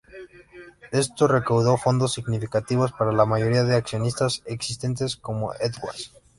Esto recaudó fondos significativos para la mayoría de accionistas existentes, como Edwards.